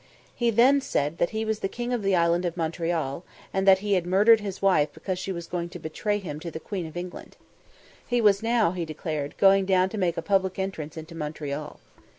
He then said that he was king of the island of Montreal, and that he had murdered his wife because she was going to betray him to the Queen of England. He was now, he declared, going down to make a public entrance into Montreal.